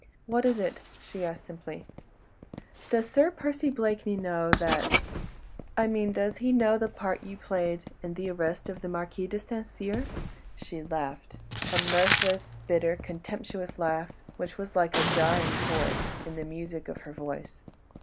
"What is it?" she asked simply. "Does Sir Percy Blakeney know that ... I mean, does he know the part you played in the arrest of the Marquis de St. Cyr?" She laughed—a mirthless, bitter, contemptuous laugh, which was like a jarring chord in the music of her voice.